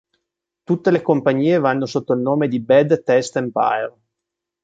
Tutte le compagnie vanno sotto il nome di Bad Taste Empire.